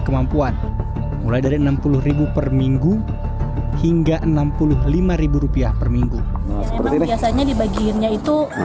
kemampuan mulai dari enam puluh perminggu hingga enam puluh lima rupiah perminggu biasanya dibagiin yaitu